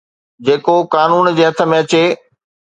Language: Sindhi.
جيڪو قانون جي هٿ ۾ اچي